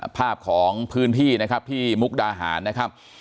ภาพของพื้นที่นะครับที่มุกดาหารนะครับ